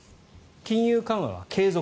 金融緩和は継続。